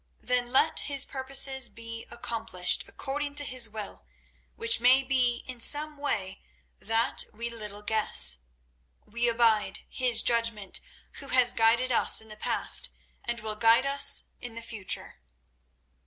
Then let His purposes be accomplished according to His will, which may be in some way that we little guess. We abide His judgment Who has guided us in the past, and will guide us in the future."